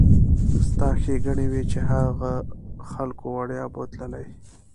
ستا ښېګڼې وي چې هغو خلکو وړیا بوتللې.